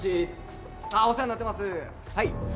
はい。